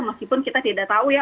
meskipun kita tidak tahu